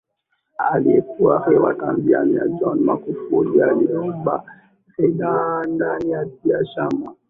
Aliyekuwa Rais wa Tanzania John Magufuli aliomba ridhaa ndani ya Chama